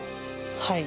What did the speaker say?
はい。